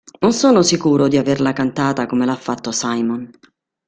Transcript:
Non sono sicuro di averla cantata come l'ha fatto Simon.